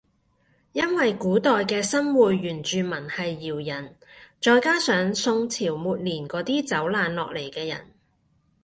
因為古代嘅新會原住民係瑤人再加上宋朝末年嗰啲走難落嚟嘅人